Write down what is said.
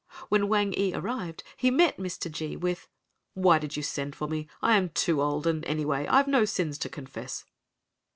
When Wang ee arrived he met Mr. G—— with, "Why did you send for me? I am too old and, anyway, I've no sins to confess."